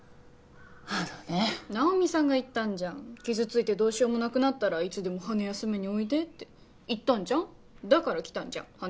あのね直美さんが言ったんじゃん傷ついてどうしようもなくなったらいつでも羽休めにおいでって言ったんじゃんだから来たんじゃん